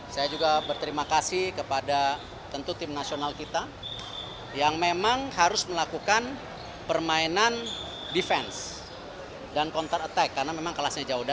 saya juga berterima kasih kepada tentu tim nasional kita yang memang harus melakukan permainan defense dan counter attack karena memang kelasnya jauh